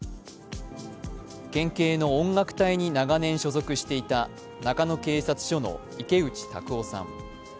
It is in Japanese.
県警の音楽隊に長年所属していた中野警察署の池内卓夫さん。